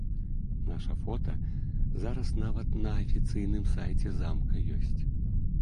Наша фота зараз нават на афіцыйным сайце замка ёсць.